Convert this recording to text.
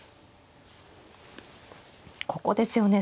ここですよね。